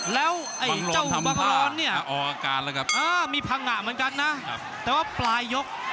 แล้วเจ้าหุ่นบังรอนเนี่ยมีพังงะเหมือนกันนะแต่ว่าปลายยก